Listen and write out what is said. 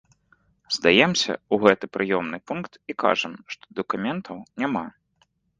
Здаемся ў гэты прыёмны пункт і кажам, што дакументаў няма.